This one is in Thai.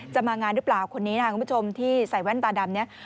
จะมางานหรือเปล่าคนนี้นะครับคุณผู้ชมที่ใส่แว่นตาดำเนี่ย